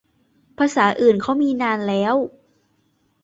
ภาษาอื่นเขามีนานแล้ว